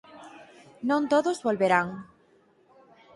Non todos volverán.